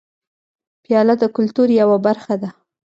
پیاله د کلتور یوه برخه ده.